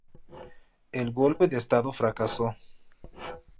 El golpe de estado fracasó.